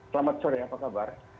selamat sore apa kabar